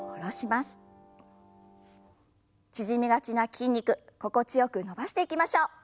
縮みがちな筋肉心地よく伸ばしていきましょう。